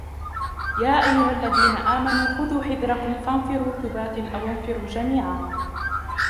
يا أيها الذين آمنوا خذوا حذركم فانفروا ثبات أو انفروا جميعا